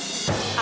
あ